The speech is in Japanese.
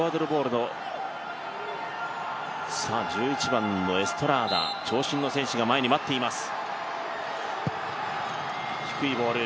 １１番のエストラーダ、長身の選手が前に待っています。